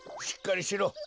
しっかりしろ。